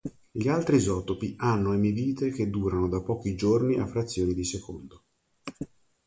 Gli altri isotopi hanno emivite che durano da pochi giorni a frazioni di secondo.